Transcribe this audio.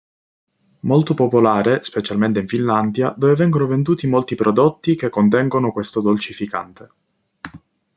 Molto popolare specialmente in Finlandia, dove vengono venduti molti prodotti che contengono questo dolcificante.